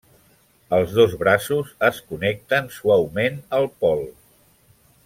Els dos braços es connecten suaument al pol.